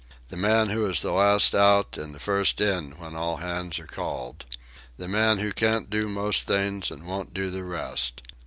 The man who is the last out and the first in when all hands are called. The man who can't do most things and won't do the rest.